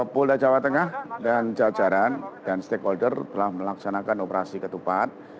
polda jawa tengah dan jajaran dan stakeholder telah melaksanakan operasi ketupat